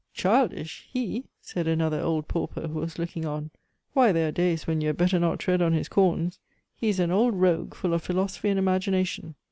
"Childish! he?" said another old pauper, who was looking on. "Why, there are days when you had better not tread on his corns. He is an old rogue, full of philosophy and imagination.